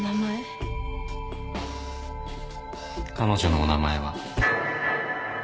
彼女のお名前は。